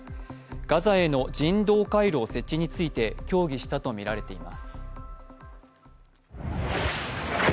ガザへの人道回廊設置について協議したとみられています。